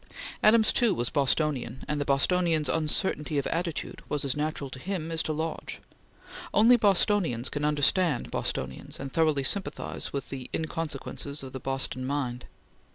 Adams, too, was Bostonian, and the Bostonian's uncertainty of attitude was as natural to him as to Lodge. Only Bostonians can understand Bostonians and thoroughly sympathize with the inconsequences of the Boston mind.